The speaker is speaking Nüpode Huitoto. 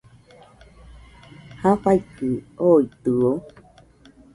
¿jafaikɨ ooitɨo.?